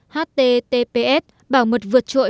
https bảo mật vượt trội